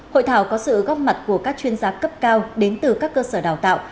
hội thảo có sự góp mặt của các chuyên gia cấp cao đến từ các cơ sở đào tạo